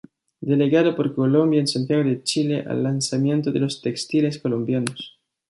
Delegada por Colombia en Santiago de Chile al lanzamiento de los textiles colombianos.